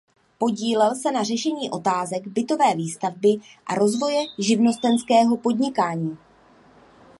Podílel se na řešení otázek bytové výstavby a rozvoje živnostenského podnikání.